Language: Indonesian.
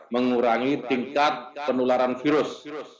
mengurangi tingkat penularan virus